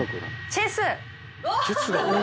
チェス。